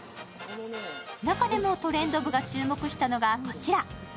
中でも、トレンド部が注目したのがこちら。